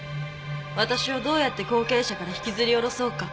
わたしをどうやって後継者から引きずり降ろそうか